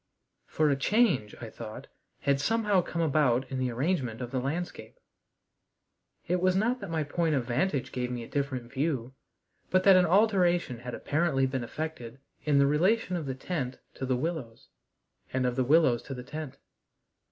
For a change, I thought, had somehow come about in the arrangement of the landscape. It was not that my point of vantage gave me a different view, but that an alteration had apparently been effected in the relation of the tent to the willows, and of the willows to the tent.